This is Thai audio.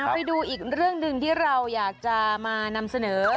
ไปดูอีกเรื่องหนึ่งที่เราอยากจะมานำเสนอ